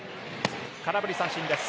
空振り三振です。